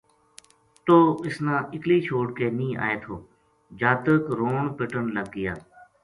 توہ اس نا اکلی چھوڈ کے نیہہ آئے تھو جاتک رون پٹن لگ گیا